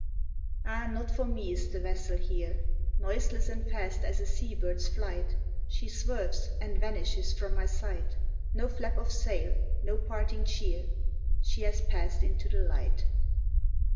Ah, not for me is the vessel here! Noiseless and fast as a sea bird's, flight, She swerves and vanishes from my sight; No flap of sail, no parting cheer, She has passed into the light.